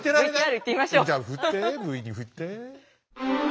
じゃあふってＶにふって。